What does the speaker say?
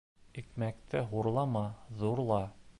Икмәкте хурлама, ҙурла.